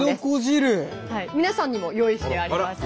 皆さんにも用意してあります。